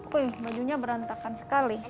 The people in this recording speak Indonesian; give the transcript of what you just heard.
wih bajunya berantakan sekali